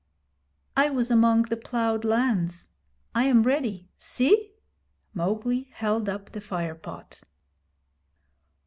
'I was among the ploughed lands. I am ready. See!' Mowgli held up the fire pot.